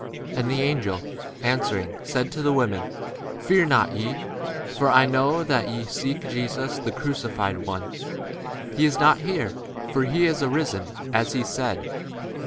And the angel answered and said unto the women, Fear not ye: for I know that ye seek Jesus, which was crucified. He is not here: for he is risen, as he said.